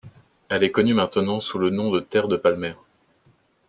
Elle est connue maintenant sous le nom de Terre de Palmer.